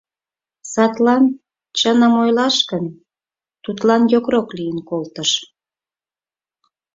Садлан, чыным ойлаш гын, тудлан йокрок лийын колтыш.